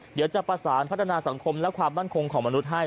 เดี๋ยวจะประสานพัฒนาสังคมและความมั่นคงของมนุษย์ให้